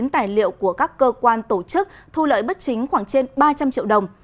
một trăm chín mươi chín tài liệu của các cơ quan tổ chức thu lợi bất chính khoảng trên ba trăm linh triệu đồng